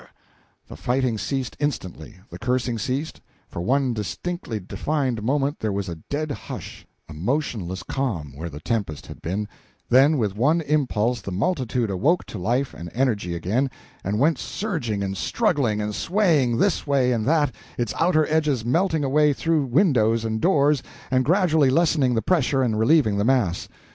The fighting ceased instantly; the cursing ceased; for one distinctly defined moment there was a dead hush, a motionless calm, where the tempest had been; then with one impulse the multitude awoke to life and energy again, and went surging and struggling and swaying, this way and that, its outer edges melting away through windows and doors and gradually lessening the pressure and relieving the mass.